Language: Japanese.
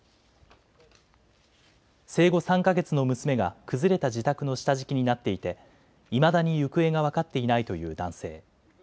生後３か月の娘が崩れた自宅の下敷きになっていて、いまだに行方が分かっていないという男性。